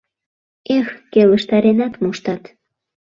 Эх, келыштаренат моштат!